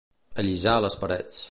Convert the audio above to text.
Allisar les parets.